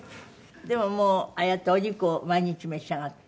でももうああやってお肉を毎日召し上がって？